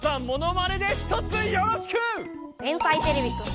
「天才てれびくん」